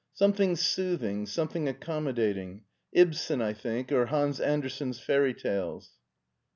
"Something soothing, something accommodating: Ibsen, I think, or Hans Andersen's Fairy Tales.